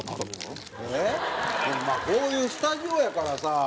まあこういうスタジオやからさ。